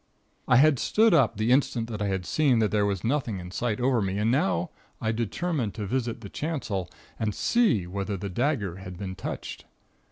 "I had stood up the instant that I had seen that there was nothing in sight over me, and now I determined to visit the chancel, and see whether the dagger had been touched.